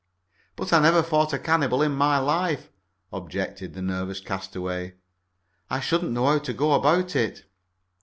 "But I never fought a cannibal in my life," objected the nervous castaway. "I shouldn't know how to go about it."